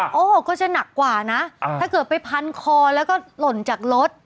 โอ้โหก็จะหนักกว่านะถ้าเกิดไปพันคอแล้วก็หล่นจากรถ